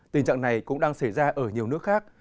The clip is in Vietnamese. tình trạng này cũng đang xảy ra ở nhiều nước khác